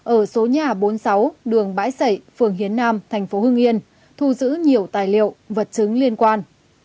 ở số nhà bốn mươi sáu đường bãi sảy phường hiến nam thành phố hưng yên thu giữ nhiều tài liệu vật chứng liên quan